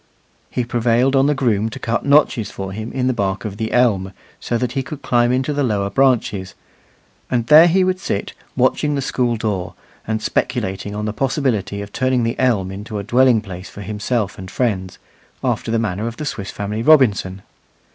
He prevailed on the groom to cut notches for him in the bark of the elm so that he could climb into the lower branches; and there he would sit watching the school door, and speculating on the possibility of turning the elm into a dwelling place for himself and friends, after the manner of the Swiss Family Robinson.